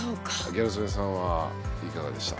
ギャル曽根さんはいかがでした？